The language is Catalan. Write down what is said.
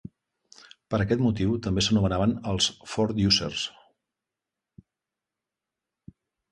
Per aquest motiu també s'anomenaven els "Four-deucers".